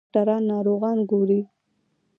ډاکټر ناروغان ګوري.